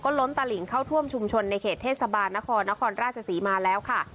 ล้นตลิงเข้าท่วมชุมชนในเขตเทศบาลนครนครราชศรีมาแล้วค่ะ